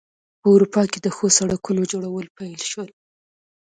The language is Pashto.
په اروپا کې د ښو سړکونو جوړول پیل شول.